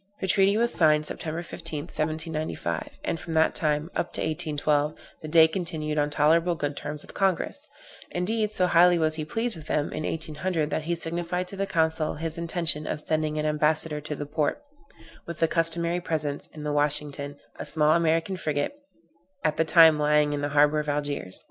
The treaty was signed September 5th, 1795; and from that time, up to 1812, the Dey continued on tolerable good terms with Congress; indeed, so highly was he pleased with them, in 1800, that he signified to the consul his intention of sending an ambassador to the Porte, with the customary presents, in the Washington, a small American frigate, at that time lying in the harbor of Algiers.